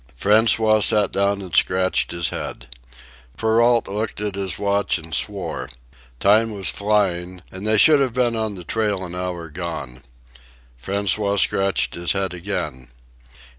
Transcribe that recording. François sat down and scratched his head. Perrault looked at his watch and swore. Time was flying, and they should have been on the trail an hour gone. François scratched his head again.